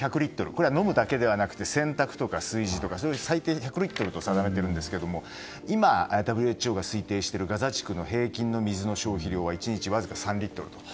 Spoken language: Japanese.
これは飲むだけではなくて洗濯や炊事とかで最低１００リットルと定めていますが今、ＷＨＯが推定しているガザ地区の平均の水の消費量は１日わずか３リットルと。